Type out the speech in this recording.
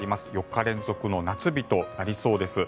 ４日連続の夏日となりそうです。